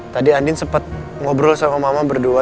tadi andin sempat ngobrol sama mama berdua